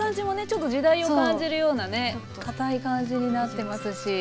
ちょっと時代を感じるようなね硬い感じになってますし。